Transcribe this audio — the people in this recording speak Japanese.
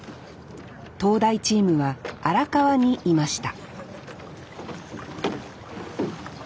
東大チームは荒川にいました